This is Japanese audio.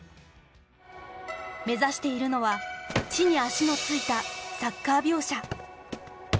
目指しているのは地に足のついたサッカー描写。